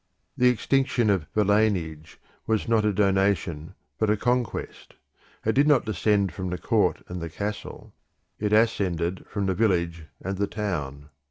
The extinction of villeinage was not a donation but a conquest: it did not descend from the court and the castle; it ascended from the village and the town.